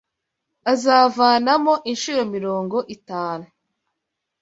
azavanamo incuro mirongo itanu